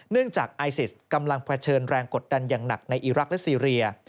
จากไอซิสกำลังเผชิญแรงกดดันอย่างหนักในอีรักษ์และซีเรีย